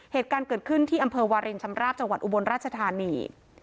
เหตุการณ์เกิดขึ้นที่อามเภอวาริญชำราบจอุบลราชทานี